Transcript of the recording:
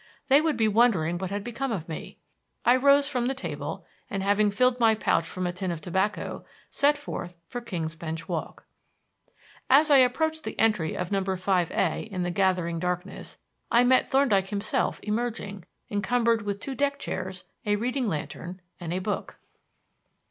They would be wondering what had become of me. I rose from the table, and having filled my pouch from a tin of tobacco, set forth for King's Bench Walk. As I approached the entry of No. 5A in the gathering darkness I met Thorndyke himself emerging encumbered with two deck chairs, a reading lantern, and a book.